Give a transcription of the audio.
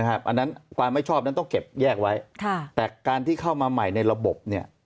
อันนั้นความไม่ชอบนั้นต้องเก็บแยกไว้แต่การที่เข้ามาใหม่ในระบบเนี่ย